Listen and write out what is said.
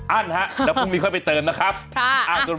อันฮะแล้วพรุ่งนี้ค่อยไปเติมนะครับเท่าไหร่นะครับ